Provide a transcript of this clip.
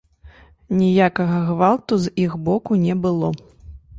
Ніякага гвалту з іх боку не было.